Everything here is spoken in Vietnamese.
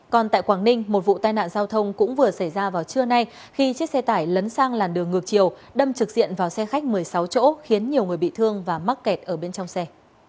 còn tại quảng ninh một vụ tai nạn giao thông cũng vừa xảy ra vào trưa nay khi chiếc xe tải lấn sang làn đường ngược chiều đâm trực diện vào xe khách một mươi sáu chỗ khiến nhiều người bị thương và mắc kẹt ở bên trong xe